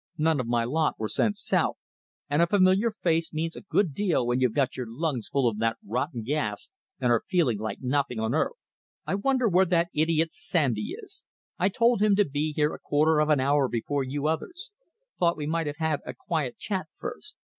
None of my lot were sent south, and a familiar face means a good deal when you've got your lungs full of that rotten gas and are feeling like nothing on earth. I wonder where that idiot Sandy is. I told him to be here a quarter of an hour before you others thought we might have had a quiet chat first.